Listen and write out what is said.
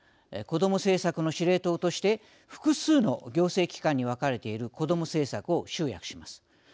子ども政策の司令塔として複数の行政機関に分かれている子ども政策を集約します。